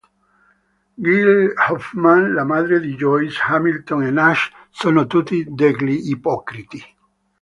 Gli Hoffman, la madre di Joyce, Hamilton e Nash sono tutti degli ipocriti.